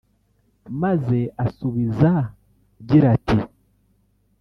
maze asubiza gira ati